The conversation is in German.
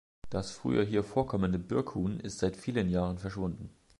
Das früher hier vorkommende Birkhuhn ist seit vielen Jahren verschwunden.